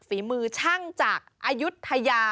ฝีมือช่างจากอายุทยา